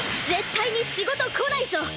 絶対に仕事来ないぞ！